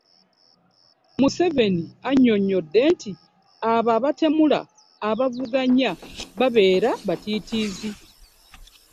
Museveni annyonnyodde nti abo abatemula ababavuganya babeera batiitiizi